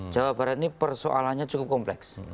jawa barat ini persoalannya cukup kompleks